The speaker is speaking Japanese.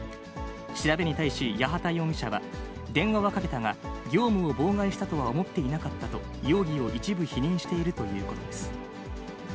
調べに対し、八幡容疑者は電話はかけたが、業務を妨害したとは思っていなかったと、容疑を一部否認しているということです。